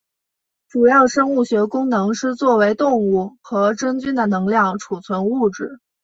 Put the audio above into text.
主要生物学功能是作为动物和真菌的能量储存物质。